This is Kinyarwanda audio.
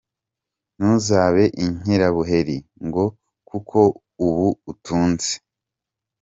Ntuzabe inkirabuheri ngo kuko ubu utunze.